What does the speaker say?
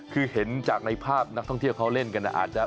คือเห็นจากในภาพนักท่องเที่ยวเขาเล่นกันอาจจะ